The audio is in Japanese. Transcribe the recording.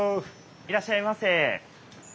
いらっしゃいませ。